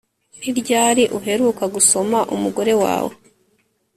Ni ryari uheruka gusoma umugore wawe